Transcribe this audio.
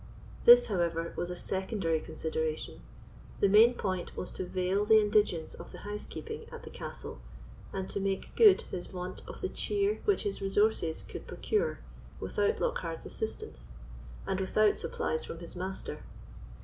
This, however, was a secondary consideration; the main point was to veil the indigence of the housekeeping at the castle, and to make good his vaunt of the cheer which his resources could procure, without Lockhard's assistance, and without supplies from his master.